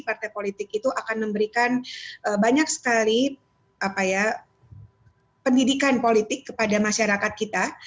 partai politik itu akan memberikan banyak sekali pendidikan politik kepada masyarakat kita